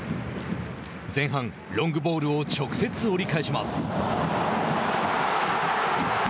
前半、ロングボールを直接折り返します。